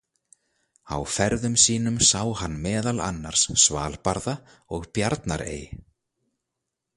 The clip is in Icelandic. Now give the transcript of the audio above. Á ferðum sínum sá hann meðal annars Svalbarða og Bjarnarey.